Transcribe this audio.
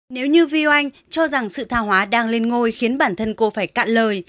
nếu như viu anh cho rằng sự thà hóa đang lên ngôi khiến bản thân cô phải cạn lời